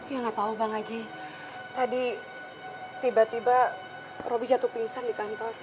ya nggak tau bang aji tadi tiba tiba robi jatuh pingsan di kantor